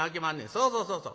そうそうそうそう。